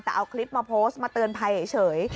แต่เอาคลิปมาโพสต์มาเตือนภัยเฉย